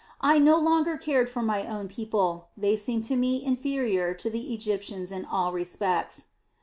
I no longer cared for our own people; they seemed to me inferior to the Egyptians in all respects.